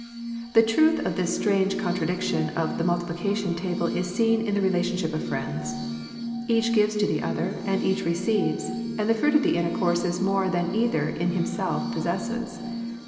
The truth of this strange contradiction of the multiplication table is seen in the relationship of friends. Each gives to the other, and each receives, and the fruit of the intercourse is more than either in him self possesses.